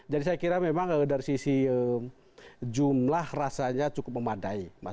jadi saya kira memang dari sisi jumlah rasanya cukup memadai